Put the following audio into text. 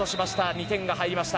２点を取りました。